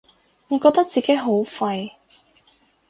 我覺得自己好廢